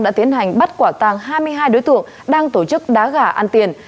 đã tiến hành bắt quả tàng hai mươi hai đối tượng đang tổ chức đá gà ăn tiền